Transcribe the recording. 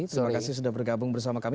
terima kasih sudah bergabung bersama kami